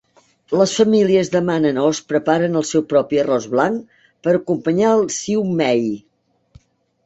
Les famílies demanen o es preparen el seu propi arròs blanc per acompanyar el "siu mei".